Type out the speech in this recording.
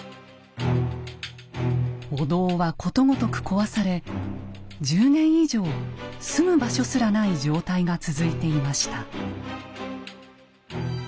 お堂はことごとく壊され１０年以上住む場所すらない状態が続いていました。